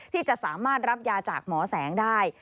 ที่จะสามารถรับยาจากหมอแสงได้